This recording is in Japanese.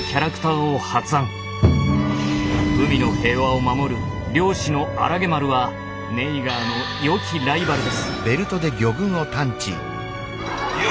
海の平和を守る漁師のアラゲ丸はネイガーのよきライバルです。